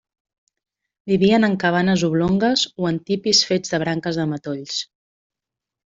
Vivien en cabanes oblongues o en tipis fets de branques de matolls.